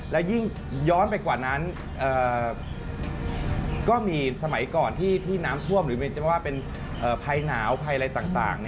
และยิ่งย้อนไปกว่านั้นก็มีสมัยก่อนที่น้ำท่วมหรือจะว่าเป็นภัยหนาวภัยอะไรต่าง